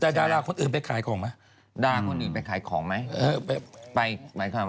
แต่ดาราคนอื่นไปขายของไหม